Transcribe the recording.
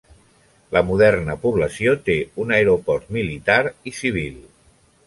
La moderna població té un aeroport militar i civil.